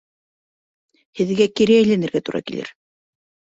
Һеҙгә кире әйләнергә тура килер.